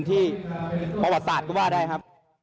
ที่ประวัตศาสตร์นะครับ